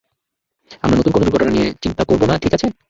আমরা নতুন কোন দুর্ঘটনা নিয়ে চিন্তা করব না, ঠিক আছে?